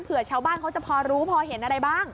ชาวบ้านเขาจะพอรู้พอเห็นอะไรบ้าง